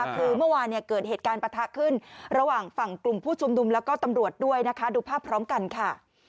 คือเมื่อวานเกิดเหตุการณ์ประทะขึ้นระหว่างฝั่งกลุ่มผู้ชุมนุมแล้วก็ตำรวจด้วยนะคะดูภาพพร้อมกันค่ะ